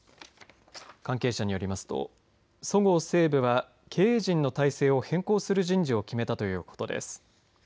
関係者によりますとそごう・西武は経営陣の体制を変更する人事を決めたということです。